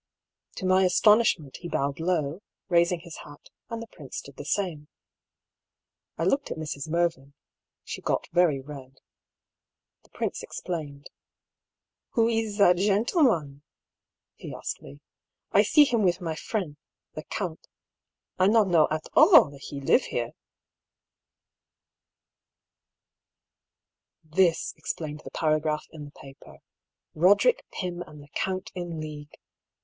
To my astonishment he bowed low, raising his hat, and the prince did the same. I looked at Mrs. Mervyn. She got very red. The prince explained. " Who is that gentilman ?" he asked me. " I see him with my fren, the count I not know at all that he live here." EXTRACT FROM DIARY OF DR. HUGH PAULL. 259 This explained the paragraph in the paper. Boderick Pym and the count in league